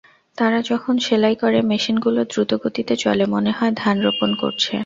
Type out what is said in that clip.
তারা যখন সেলাই করে, মেশিনগুলো দ্রুতগতিতে চলে, মনে হয়, ধান রোপণ করছে।